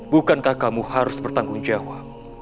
bukankah kamu harus bertanggung jawab